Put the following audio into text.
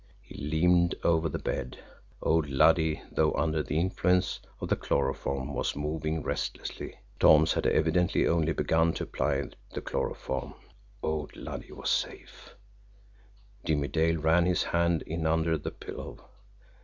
He leaned over the bed. Old Luddy, though under the influence of the chloroform, was moving restlessly. Thoms had evidently only begun to apply the chloroform old Luddy was safe! Jimmie Dale ran his hand in under the pillow.